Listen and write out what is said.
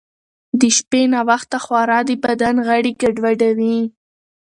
د شپې ناوخته خورا د بدن غړي ګډوډوي.